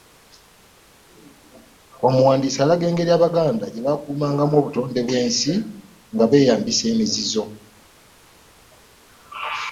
Omuwandiisi alaga engeri Abaganda gye baakuumangamu obutonde bw’ensi nga beeyambisa emizizo.